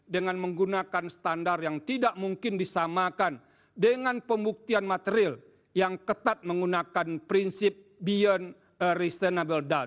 dengan menggunakan standar yang tidak mungkin disamakan dengan pembuktian material yang ketat menggunakan prinsip beyond reasonable doub